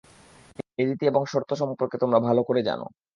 এ রীতি এবং শর্ত সম্পর্কে তোমরা ভাল করে জান।